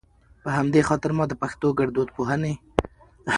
په همدا خاطر ما د پښتو ګړدود پوهنې